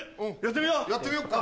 やってみよっか。